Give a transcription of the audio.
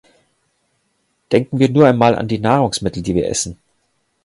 Denken wir nur einmal an die Nahrungsmittel, die wir essen.